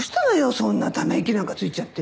そんなため息なんかついちゃって。